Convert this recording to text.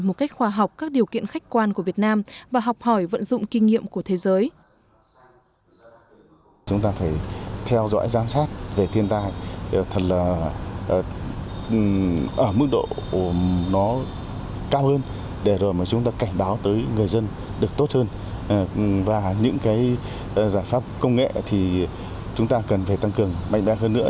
một cách khoa học các điều kiện khách quan của việt nam và học hỏi vận dụng kinh nghiệm của thế giới